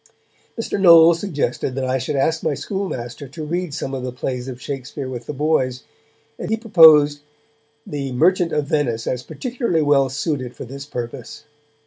Mr. Knowles suggested that I should ask my schoolmaster to read some of the plays of Shakespeare with the boys, and he proposed The Merchant of Venice as particularly well suited for this purpose.